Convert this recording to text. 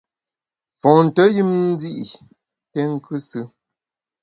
Fonte yùm ndi’ yi nté nkusù.